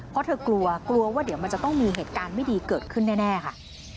เพราะเธอกลัวกลัวว่าเดี๋ยวมันจะต้องมีเหตุการณ์ไม่ดีเกิดขึ้นแน่ค่ะ